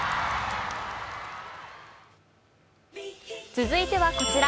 続いてはこちら。